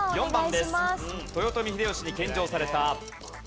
豊臣秀吉に献上された。